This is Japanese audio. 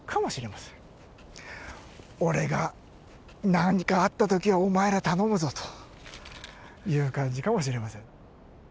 「俺が何かあった時はお前ら頼むぞ」という感じかもしれません。